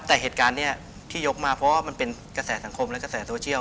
แต่เหตุการณ์นี้ที่ยกมาเพราะว่ามันเป็นกระแสสังคมและกระแสโซเชียล